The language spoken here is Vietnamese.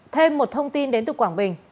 thêm một thông tin đến từ quảng bình